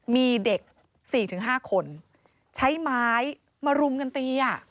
มีเด็ก๔๕คนใช้ไม้มารุมกันตี